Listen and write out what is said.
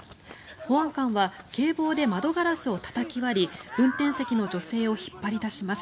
保安官は警棒で窓ガラスをたたき割り運転席の女性を引っ張り出します。